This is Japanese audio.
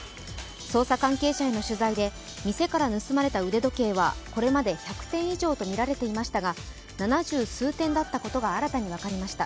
捜査関係者への取材で店から盗まれた腕時計はこれまで１００点以上とみられていましたが七十数点だったことが新たに分かりました。